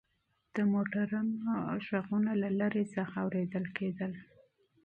د موټرو غږونه له لرې څخه اورېدل کېدل.